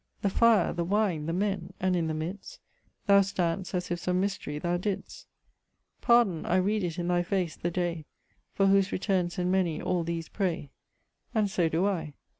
The fire, the wine, the men! and in the midst Thou stand'st as if some mysterie thou didst! Pardon, I read it in thy face, the day, For whose returnes, and many, all these pray: And so doe I.